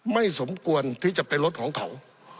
ไม่สมควรที่จะไปรถของเขา